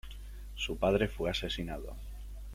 Su padre fue asesinado.